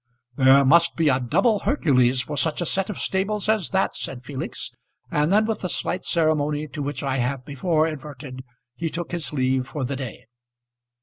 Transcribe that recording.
"There must be a double Hercules for such a set of stables as that," said Felix; and then with the slight ceremony to which I have before adverted he took his leave for the day.